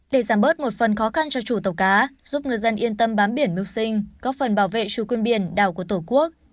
để giảm bớt một phần khó khăn cho chủ tàu cá giúp ngư dân yên tâm bám biển mưu sinh góp phần bảo vệ chủ quyền biển đảo của tổ quốc